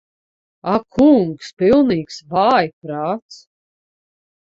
Ak kungs. Pilnīgs vājprāts.